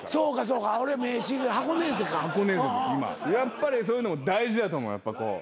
やっぱりそういうの大事だと思う。